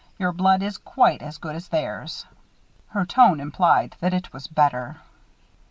Your blood is quite as good as theirs." Her tone implied that it was better.